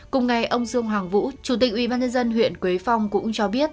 cùng ngày ông dương hoàng vũ chủ tịch ubnd huyện quế phong cũng cho biết